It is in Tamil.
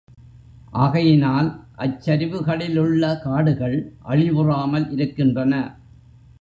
ஆகையினால் அச்சரிவுகளிலுள்ள காடுகள் அழிவுறாமல் இருக்கின்றன.